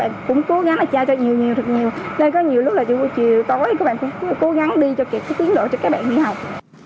nên có nhiều lúc là chiều tối các bạn cũng cố gắng đi cho tiến độ cho các bạn đi học